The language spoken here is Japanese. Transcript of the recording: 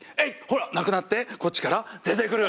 ほらなくなってこっちから出てくる。